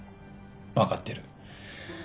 分かってる。